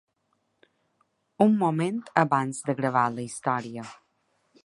Un moment abans de gravar la història.